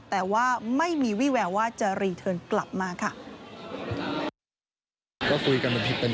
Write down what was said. แต่ว่าไม่มีวิแวว่าจะกลับมาค่ะ